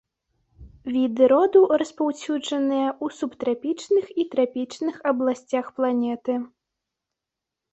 Віды роду распаўсюджаныя ў субтрапічных і трапічных абласцях планеты.